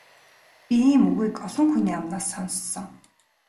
Би ийм үгийг олон хүний амнаас сонссон.